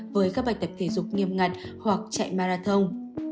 với các bài tập thể dục nghiêm ngặt hoặc chạy marathon